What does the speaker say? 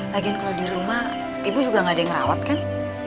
lagian kalau di rumah ibu juga gak ada yang merawat kan